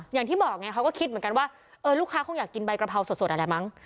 อย่างที่บอกไงเขาก็คิดเหมือนกันว่าลูกค้าคงอยากกินใบกระเพราสดอะไรมั้ง